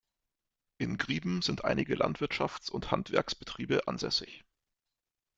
In Grieben sind einige Landwirtschafts- und Handwerksbetriebe ansässig.